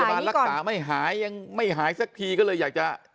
มารักษาไม่หายยังไม่หายสักทีก็เลยอยากจะ